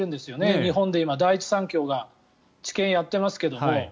日本で今、第一三共が治験をやってますけども。